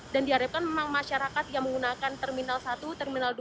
dan diharapkan memang masyarakat yang menggunakan terminal satu terminal dua